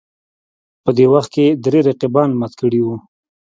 په دې وخت کې درې رقیبان مات کړي وو